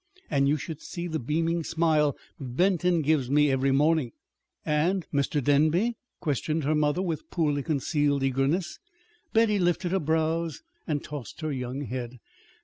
And you should see the beaming smile Benton gives me every morning!" "And Mr. Denby?" questioned her mother, with poorly concealed eagerness. Betty lifted her brows and tossed her young head.